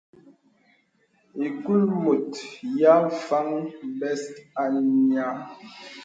Ìkul mùt yā fàŋ bēs à nyə̀.